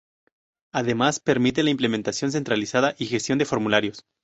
Además, permite la implementación centralizada y gestión de formularios.